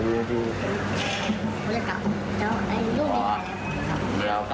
หน่อยน้องซูอัลแล้วก็